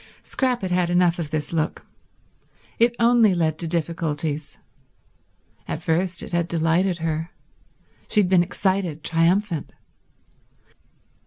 Scrap had had enough of this look. It only led to difficulties. At first it had delighted her. She had been excited, triumphant.